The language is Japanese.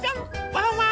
ワンワン